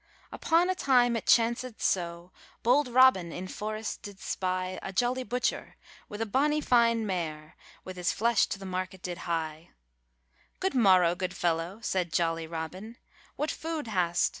Upon a time it chanced so Bold Robin in forrest did spy A jolly butcher, with a bonny fine mare, With his flesh to the market did hye. 'Good morrow, good fellow,' said jolly Robin, 'What food hast?